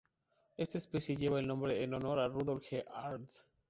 Esta especie lleva el nombre en honor a Rudolf G. Arndt.